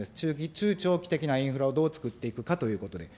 中長期的なインフラをどう作っていくかということで。